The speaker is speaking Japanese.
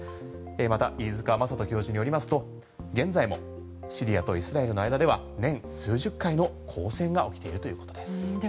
また、飯塚正人教授によりますと現在もシリアとイスラエルの間では年数十回交戦が起きているということです。